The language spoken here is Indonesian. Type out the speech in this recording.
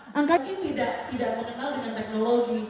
mungkin tidak mengenal dengan teknologi